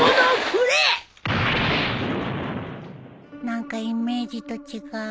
何かイメージと違う